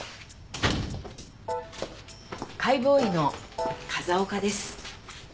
解剖医の風丘です。